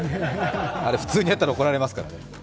あれ普通にやったら怒られますからね。